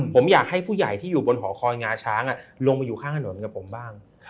ผมอยากให้ผู้ใหญ่ที่อยู่บนหอคอยงาช้างลงไปอยู่ข้างถนนกับผมบ้าง